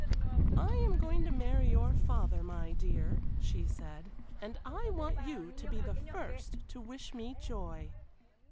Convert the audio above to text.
"I am going to marry your father, my dear," she said, "and I want you to be the first to wish me joy."